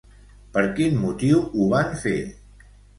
Per quin motiu ho van fer?